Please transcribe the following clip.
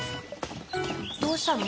どうしたの？